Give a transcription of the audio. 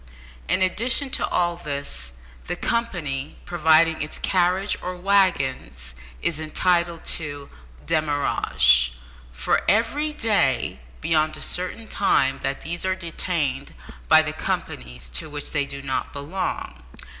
In addition to all this, the company providing its carriages or waggons is entitled to "demurrage" for every day beyond a certain time that these are detained by the companies to which they do not belong.